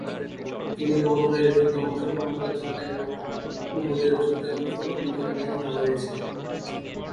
তিনি বদরের যুদ্ধে অংশগ্রহণ করেছিলেন এবং উহুদের যুদ্ধে অংশগ্রহণ করে নিহত হয়েছিলেন।